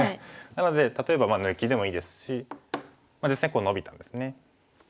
なので例えば抜きでもいいですし実戦こうノビたんですね。